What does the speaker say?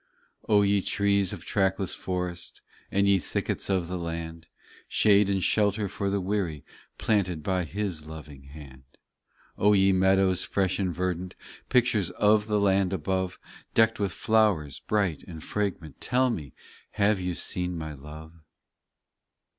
O ye trees of trackless forests, And ye thickets of the land ; Shade and shelter for the weary, Planted by His loving hand. ye meadows, fresh and verdant, Pictures of the land above, Decked with flowers bright and fragrant Tell me, have you seen my Love